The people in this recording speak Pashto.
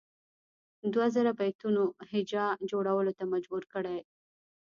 دوه زره بیتونو هجا جوړولو ته مجبور کړي.